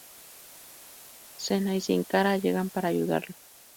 Cena y Sin Cara llegan para ayudarlo.